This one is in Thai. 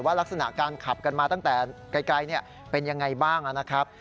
ลักษณะการขับกันมาตั้งแต่ไกลเป็นยังไงบ้างนะครับ